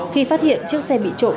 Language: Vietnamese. khi phát hiện chiếc xe bị trộm